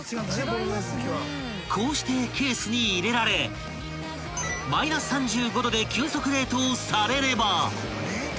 ［こうしてケースに入れられマイナス３５℃で急速冷凍されれば］